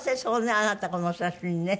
あなたこの写真ね。